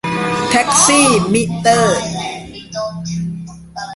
แท็กซี่มิเตอร์